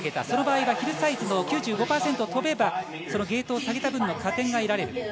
その場合ヒルサイズの９５％を飛べばゲートを下げた分の加点が得られる。